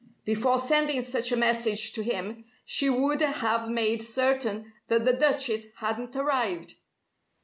Before sending such a message to him she would have made certain that the Duchess hadn't arrived!